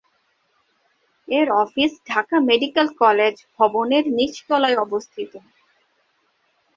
এর office Dhaka medical college ভবনের নিচতলায় অবস্থিত।